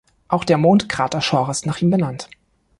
Auch der Mondkrater Schorr ist nach ihm benannt.